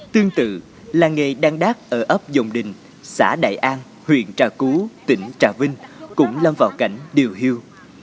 tương tự làng nghề đan đá ở ấp dòng đình xã đại an huyện trà cú tỉnh trà vinh cũng lâm vào cảnh điều hiu